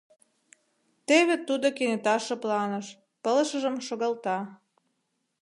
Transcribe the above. Теве тудо кенета шыпланыш, пылышыжым шогалта.